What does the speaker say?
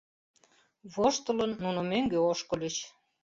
Воштылын, нуно мӧҥгӧ ошкыльыч.